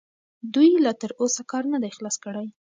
دوی لا تراوسه کار نه دی خلاص کړی.